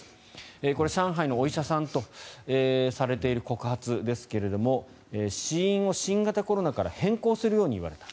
これは上海のお医者さんとされている告発ですが死因を新型コロナから変更するように言われたと。